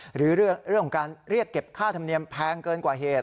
หรือเรื่องของการเรียกเก็บค่าธรรมเนียมแพงเกินกว่าเหตุ